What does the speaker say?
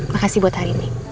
makasih buat hari ini